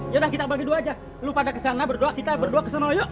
ya udah kita bagi dua aja lu pada kesana berdua kita kesana yuk